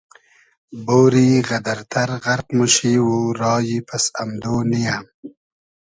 بۉری غئدئر تئر غئرق موشی و رایی پئس امدۉ نییۂ